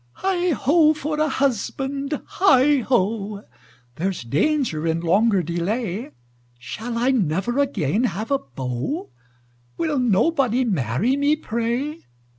Heigh ho! for a husband! Heigh ho! There's danger in longer delay! Shall I never again have a beau? Will nobody marry me, pray!